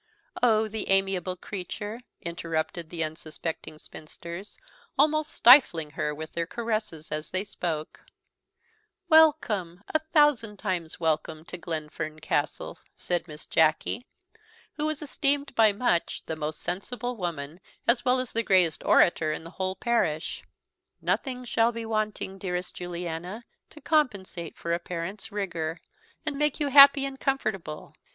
"Oh, the amiable creature!" interrupted the unsuspecting spinsters, almost stifling her with their caresses as they spoke: "Welcome, a thousand times welcome, to Glenfern Castle," said Miss Jacky, who was esteemed by much the most sensible woman, as well as the greatest orator in the whole parish; "nothing shall be wanting, dearest Lady Juliana, to compensate for a parent's rigour, and make you happy and comfortable.